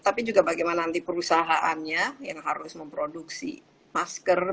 tapi juga bagaimana nanti perusahaannya yang harus memproduksi masker